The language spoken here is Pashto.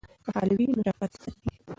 که خاله وي نو شفقت نه پاتیږي.